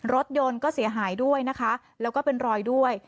รถยนต์ก็เสียหายด้วยนะคะแล้วก็เป็นรอยด้วย